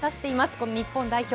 この日本代表。